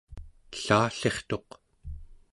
ellallirtuq